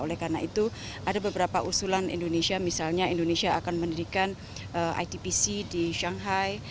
oleh karena itu ada beberapa usulan indonesia misalnya indonesia akan mendirikan idpc di shanghai